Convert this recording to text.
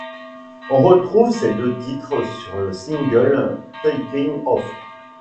On retrouve ces deux titres sur le single Taking Off.